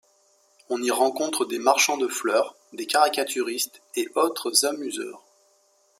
On y rencontre des marchands de fleurs, des caricaturistes et autres amuseurs.